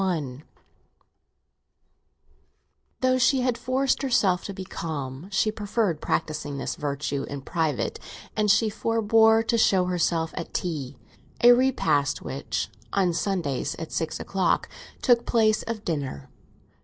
XXXI THOUGH she had forced herself to be calm, she preferred practising this virtue in private, and she forbore to show herself at tea—a repast which, on Sundays, at six o'clock, took the place of dinner. Dr.